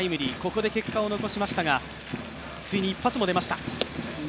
ここで結果を残しましたがついに一発も出ました。